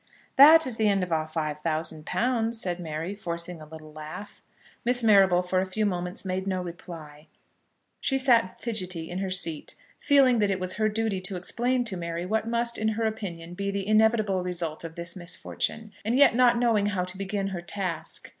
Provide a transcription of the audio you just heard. "That is the end of our five thousand pounds," said Mary, forcing a little laugh. Miss Marrable for a few moments made no reply. She sat fidgety in her seat, feeling that it was her duty to explain to Mary what must, in her opinion, be the inevitable result of this misfortune, and yet not knowing how to begin her task.